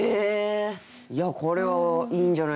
いやこれはいいんじゃないでしょうか。